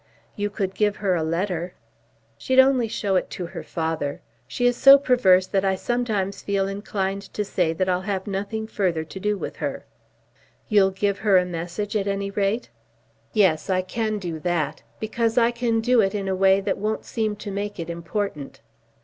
"You could give her a letter." "She'd only show it her father. She is so perverse that I sometimes feel inclined to say that I'll have nothing further to do with her." "You'll give her a message at any rate?" "Yes, I can do that; because I can do it in a way that won't seem to make it important."